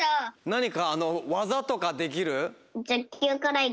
なにかわざとかできる？